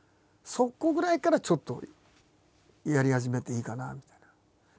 そこぐらいからちょっとやり始めていいかなみたいな。